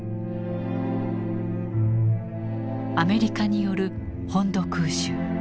アメリカによる本土空襲。